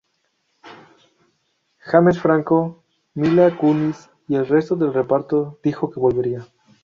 James Franco, Mila Kunis y el resto del reparto dijo que volvería.